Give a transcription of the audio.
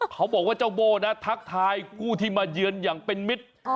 เขาบอกว่าเจ้าโบ้นะทักทายผู้ที่มาเยือนอย่างเป็นมิตร